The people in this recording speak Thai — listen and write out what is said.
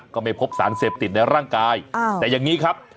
ก็ไม่พบสารเสพติดในร่างกายแต่อย่างนี้ครับ